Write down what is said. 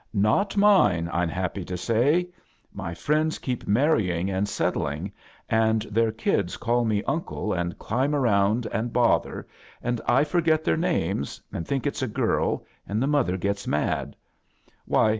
" Not mine, I'm happy to say. My friends keep marrying; and settlii^, and tlieir kids call me uncle, and climb around and bother, and I forget their names, and think it's a girl, and the mother gets mad.